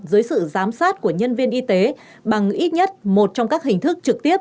dưới sự giám sát của nhân viên y tế bằng ít nhất một trong các hình thức trực tiếp